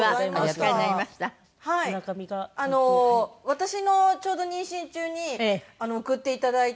私のちょうど妊娠中に贈って頂いて。